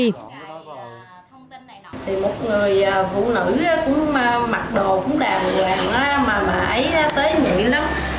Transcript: một người phụ nữ mặc đồ cũng đàng hoàng mà ấy tế nhị lắm